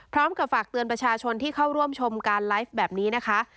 ฝากเตือนประชาชนที่เข้าร่วมชมการไลฟ์แบบนี้นะคะ